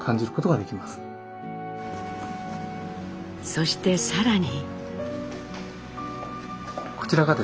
そして更に。